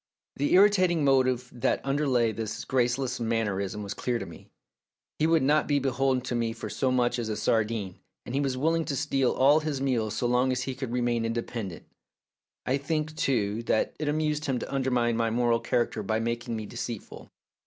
The irritating motive that underlay this graceless manner ism was clear to me. He would not be 180 THE DAY BEFORE YESTERDAY beholden to me for so much as a sardine, and he was willing to steal all his meals so long as he could remain independent. I think, too, that it amused him to undermine my moral character by making me deceitful.